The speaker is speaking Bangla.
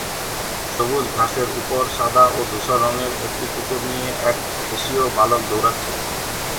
সবুজ ঘাসের উপর সাদা ও ধূসর রঙের একটি কুকুর নিয়ে এক এশীয় বালক দৌড়াচ্ছে।